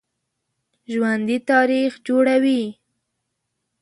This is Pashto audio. ژوندي تاریخ جوړوي